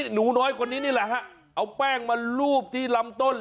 หนูน้อยคนนี้นี่แหละฮะเอาแป้งมาลูบที่ลำต้น